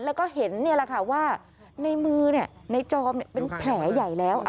แล้วก็เห็นว่าในมือในจอมเป็นแผลใหญ่แล้ว